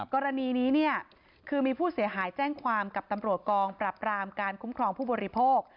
กรณีนี้เนี่ยคือมีผู้เสียหายแจ้งความกับตำรวจกองปรับรามการคุ้มครองผู้บริโภค